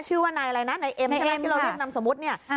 ชื่อว่านายอะไรนะนายเอ็มใช่ไหมที่เราเรียกนามสมมุติเนี่ย